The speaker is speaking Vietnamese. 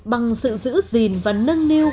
để rồi bằng sự giữ gìn và nâng niu